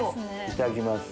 いただきます。